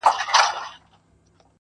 o د دې وطن د هر يو گل سره کي بد کړې وي.